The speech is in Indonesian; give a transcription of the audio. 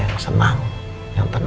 karena apapun yang normal